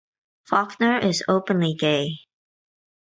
Falkner is openly gay.